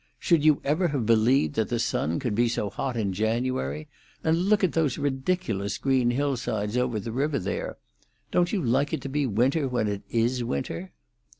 Should you ever have believed that the sun could be so hot in January? And look at those ridiculous green hillsides over the river there! Don't you like it to be winter when it is winter?"